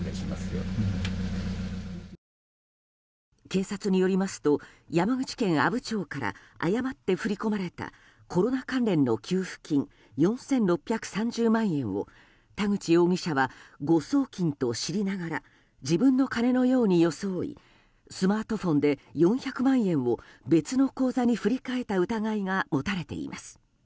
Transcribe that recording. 警察によりますと山口県阿武町から誤って振り込まれたコロナ関連の給付金４６３０万円を田口容疑者は誤送金と知りながら自分の金のように装いスマートフォンで４００万円を別の口座に振り替えた疑いが持たれています。